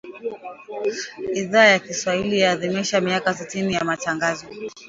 Idhaa ya Kiswahili yaadhimisha miaka sitini ya Matangazo